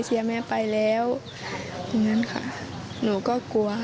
เชียร์แม่ไปแล้วอย่างนั้นค่ะหนูก็กลัวค่ะ